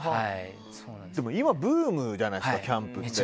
でも今、ブームじゃないですかキャンプって。